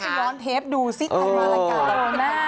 ดูสิล้อเล็กดูดูมันรายการ